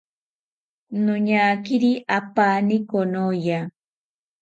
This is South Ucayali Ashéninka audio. Noñakiri apaani konoya